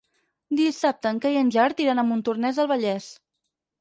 Dissabte en Cai i en Gerard iran a Montornès del Vallès.